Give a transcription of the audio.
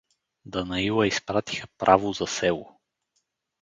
Данаила изпратиха право за село.